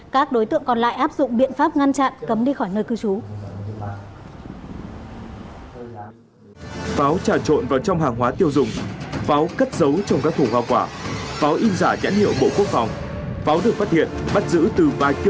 các đối tượng còn lại áp dụng biện pháp ngăn chặn cấm đi khỏi nơi cư trú